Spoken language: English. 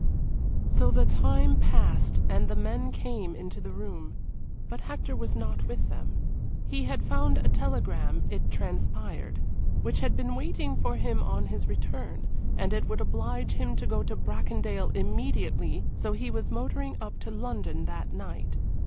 So the time passed, and the men came into the room. But Hector was not with them. He had found a telegram, it transpired, which had been waiting for him on his return, and it would oblige him to go to Bracondale immediately, so he was motoring up to London that night.